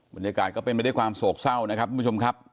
บรรยากาศก็เป็นไปด้วยความโศกเศร้านะครับทุกผู้ชมครับ